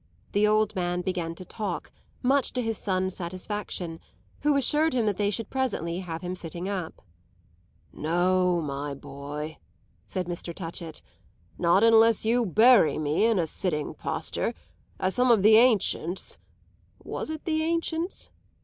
The old man began to talk, much to his son's satisfaction, who assured him that they should presently have him sitting up. "No, my boy," said Mr. Touchett, "not unless you bury me in a sitting posture, as some of the ancients was it the ancients?